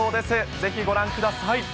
ぜひご覧ください。